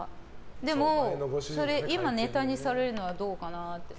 でも、今ネタにされるのはどうかなって。